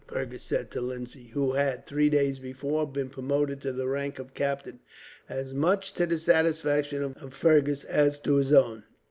Fergus said to Lindsay; who had, three days before, been promoted to the rank of captain, as much to the satisfaction of Fergus as to his own.